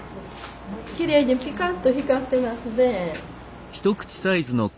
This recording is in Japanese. きれいにピカッと光ってますね。